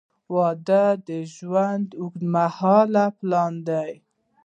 • واده د ژوند اوږدمهاله پلان دی.